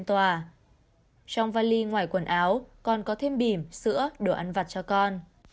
trong vali ngoài quần áo còn có thêm bìm sữa đồ ăn vặt cho con